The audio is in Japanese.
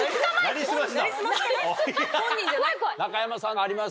中山さんあります？